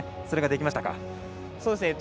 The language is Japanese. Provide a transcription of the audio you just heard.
それができましたか？